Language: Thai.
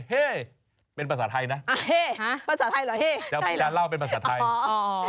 เฮ้เป็นภาษาไทยนะจะเล่าเป็นภาษาไทยโอ้โห